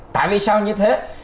tại vì sao như thế